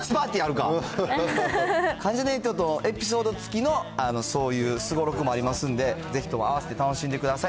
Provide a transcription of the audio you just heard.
関ジャニ∞とエピソード付きのそういうすごろくもありますんで、ぜひともあわせて楽しんでください。